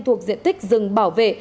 thuộc diện tích rừng bảo vệ